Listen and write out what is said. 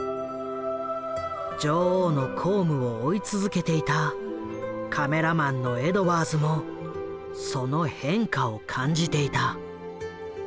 女王の公務を追い続けていたカメラマンのエドワーズもその変化を感じていた。